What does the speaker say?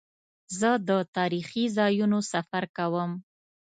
زه د تاریخي ځایونو سفر کوم.